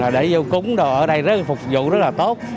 để vô cúng ở đây phục vụ rất là tốt